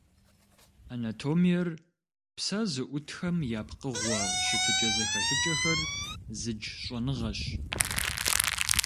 Анатомиер - псэ зыӏутхэм я пкъыгъуэ щытыкӏэ-зэхэлъыкӏэхэр зыдж щӏэныгъэщ.